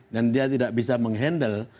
dan dia tidak bisa menghandle